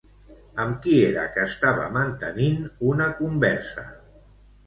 Amb qui era que estava mantenint una conversa?